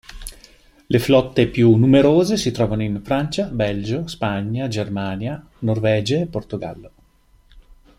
Le flotte più numerose si trovano in Francia, Belgio, Spagna, Germania, Norvegia e Portogallo.